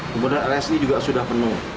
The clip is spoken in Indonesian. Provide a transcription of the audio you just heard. kemudian lsi juga sudah penuh